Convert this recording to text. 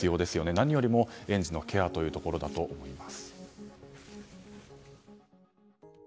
何よりも園児のケアというところだと思います。